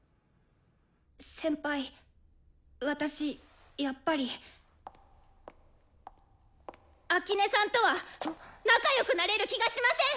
先輩私やっぱり秋音さんとは仲よくなれる気がしません！